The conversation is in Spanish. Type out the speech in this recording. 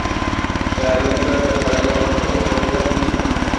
El avión fue reparado pronto y volvió a funcionar.